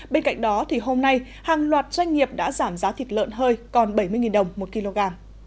bên cạnh đó thì hôm nay hàng loạt doanh nghiệp đã giảm giá thịt lợn hơi còn bảy mươi đồng một kg